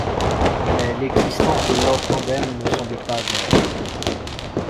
Mais l'existence de Lord Tandem ne semble pas avérée.